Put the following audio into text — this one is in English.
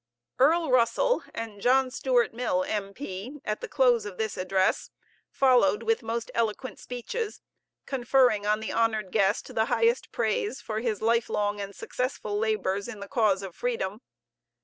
EARL RUSSELL and JOHN STUART MILL, M.P., at the close of the address, followed with most eloquent speeches, conferring on the honored guest the highest praise for his life long and successful labors in the cause of freedom.